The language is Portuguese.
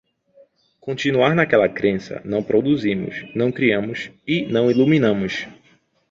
continuar naquela crença, não produzimos, não criamos e não iluminamos